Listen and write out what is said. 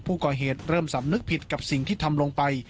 ผู้ก่อเหตุเริ่มสำนึกผิดกับสิ่งที่ทำลงไป